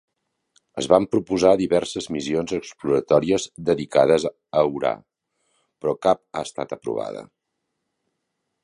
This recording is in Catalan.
Es van proposar diverses missions exploratòries dedicades a Urà, però cap ha estat aprovada.